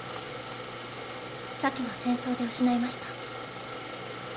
先の戦争で失いました。